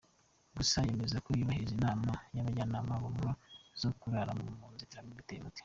Gusa yemeza ko yubahiriza n’inama abajyanama bamuha zo kurara mu nzitiramubu iteye umuti.